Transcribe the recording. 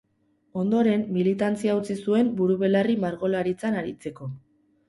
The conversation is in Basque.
Ondoren, militantzia utzi zuen buru-belarri margolaritzan aritzeko.